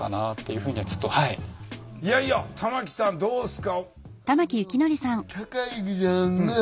いやいや玉木さんどうですか？